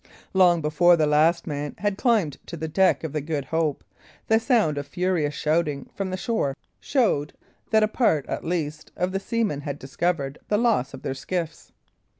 Long before the last man had climbed to the deck of the Good Hope, the sound of furious shouting from the shore showed that a part, at least, of the seamen had discovered the loss of their skiffs.